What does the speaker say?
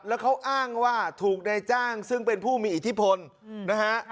แล้วเขาอ้างว่าถูกในจ้างซึ่งเป็นผู้มีอิทธิพลนะฮะ